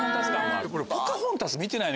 あれ。